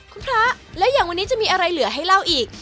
คุณพระแล้วอย่างวันนี้จะมีอะไรเหลือให้เล่าอีก